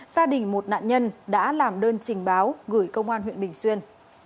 gia đình một nạn nhân đã làm đơn trình báo gửi công an huyện bình xuyên